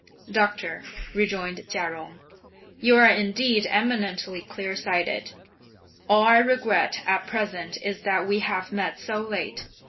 "Doctor," rejoined Chia Jung, "you are indeed eminently clear sighted; all I regret at present is that we have met so late!